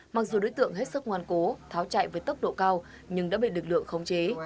mặc dù đối tượng hết sức ngoan cố tháo chạy với tốc độ cao nhưng đã bị lực lượng khống chế